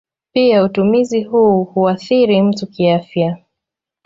Pia utumizi huu huathiri mtu kiafya.